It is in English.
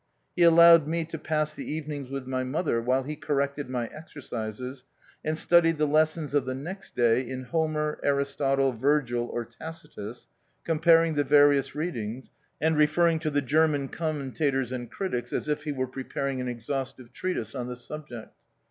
He allowed me to pass the evenings with my mother while he corrected my exercises, and studied the lessons of the next day in Homer, Aristotle, Virgil, or Tacitus, comparing the various readings, and referring to the Ger man commentators and critics, as if he were preparing an exhaustive treatise ou the subject.